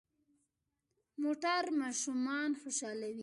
موټر ماشومان خوشحالوي.